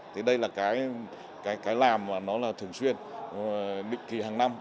thì đây là cái làm mà nó là thường xuyên định kỳ hàng năm